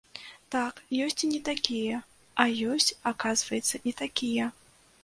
Так, ёсць і не такія, а ёсць, аказваецца, і такія.